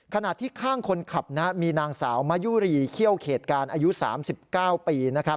ขณะที่ข้างคนขับมีนางสาวมะยุรีเขี้ยวเขตการอายุ๓๙ปีนะครับ